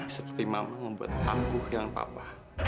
seperti mama mau buat aku kehilangan papa